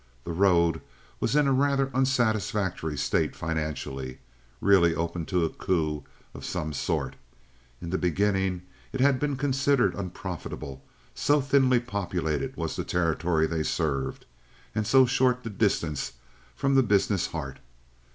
The road was in a rather unsatisfactory state financially—really open to a coup of some sort. In the beginning it had been considered unprofitable, so thinly populated was the territory they served, and so short the distance from the business heart.